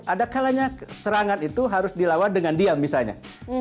ada kalanya serangan itu harus dilawan dengan diam misalnya